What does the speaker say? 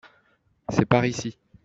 C’est par ici.